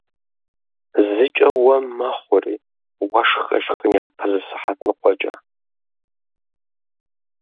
Зыкӏэ уэм мэхъури уэшх къешхын япэ зы сыхьэт ныкъуэкӏэ!